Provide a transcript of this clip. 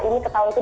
ini ketahun ke dua